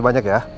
bisa banyak ya